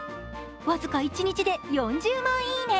僅か一日で４０万いいね。